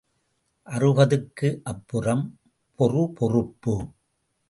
அறுபதுக்கு அப்புறம் பொறுபொறுப்பு.